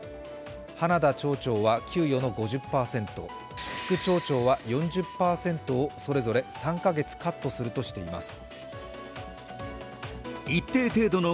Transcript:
花田町長は給与の５０％、副町長は４０％をそれぞれ３カ月カットするとしています。